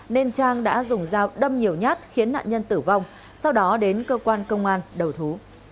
nên trang đã dùng dao đâm nhiều nhát khiến nạn nhân tử vong sau đó đến cơ quan công an đầu thú